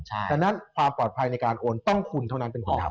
ดังนั้นความปลอดภัยในการโอนต้องคุณเท่านั้นเป็นคนทำ